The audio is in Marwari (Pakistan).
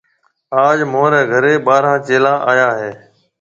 اج مهاريَ گهريَ ٻارهان چيلا آيا هيَ۔